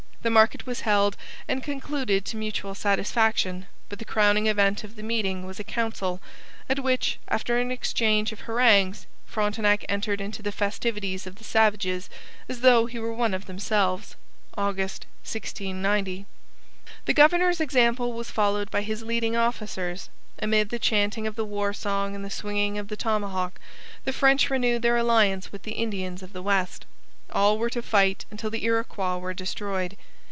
The market was held and concluded to mutual satisfaction, but the crowning event of the meeting was a council, at which, after an exchange of harangues, Frontenac entered into the festivities of the savages as though he were one of themselves (August 1690). The governor's example was followed by his leading officers. Amid the chanting of the war song and the swinging of the tomahawk the French renewed their alliance with the Indians of the West. All were to fight until the Iroquois were destroyed.